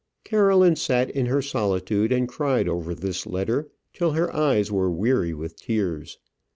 Caroline sat in her solitude and cried over this letter till her eyes were weary with tears.